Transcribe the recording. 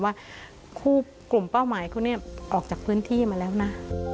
ว่าคู่กลุ่มเป้าหมายเขาเนี่ยออกจากพื้นที่มาแล้วนะ